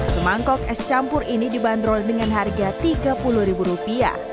semangkok es campur ini dibanderol dengan harga rp tiga puluh